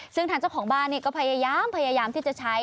ซึ่งทางเจ้าของบ้านก็พยายามที่จะใช้